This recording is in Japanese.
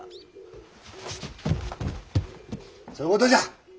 そういうことじゃ。